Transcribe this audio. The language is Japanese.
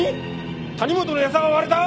谷本のヤサが割れた！？